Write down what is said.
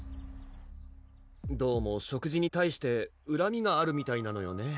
どうも食事に対してうらみがあるみたいなのよね